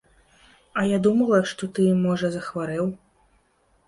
А я думала, што ты, можа, захварэў.